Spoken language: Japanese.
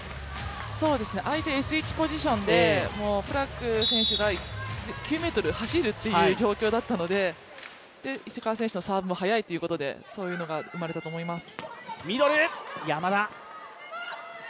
相手Ｓ１ポジションでプラク選手が９ｍ走るという状況だったので、石川選手のサーブも速いということで、そういうのが生まれたと思います。